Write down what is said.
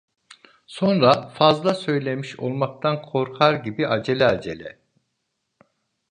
Sonra, fazla söylemiş olmaktan korkar gibi acele acele: